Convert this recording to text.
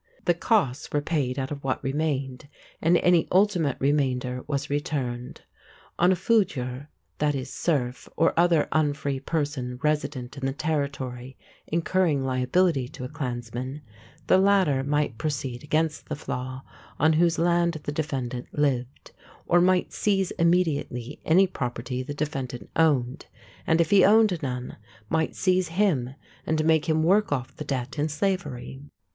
The costs were paid out of what remained, and any ultimate remainder was returned. On a fuidir (foodyir) = serf or other unfree person resident in the territory incurring liability to a clansman, the latter might proceed against the flaith on whose land the defendant lived, or might seize immediately any property the defendant owned, and if he owned none, might seize him and make him work off the debt in slavery.